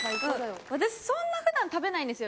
私そんな普段食べないんですよ